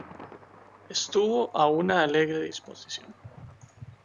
Estuvo a una alegre disposición.